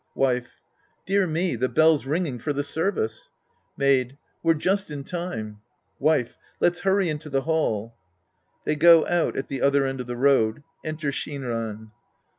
Wife. Dear me, the bell's ringing for the service. Maid. We're just in time. Wife. Let's hurry into the hall. {J'hey go out at the other end of the road. Enter Shinran.)